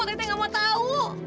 tete gak mau tau